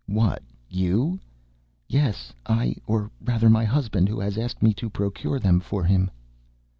"What, you?" "Yes, I, or rather my husband, who has asked me to procure them for him."